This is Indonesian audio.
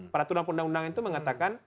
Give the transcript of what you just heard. para turang pendang pendang itu mengatakan